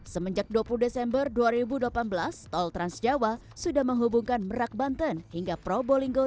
semenjak dua puluh desember dua ribu delapan belas tol trans jawa sudah menghubungkan merak banten hingga probolinggo